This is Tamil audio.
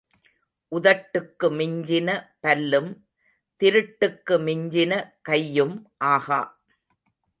உதட்டுக்கு மிஞ்சின பல்லும் திருட்டுக்கு மிஞ்சின கையும் ஆகா.